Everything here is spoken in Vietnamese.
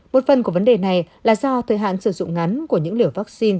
một phần của vấn đề này là do thời hạn sử dụng ngắn của những liều vaccine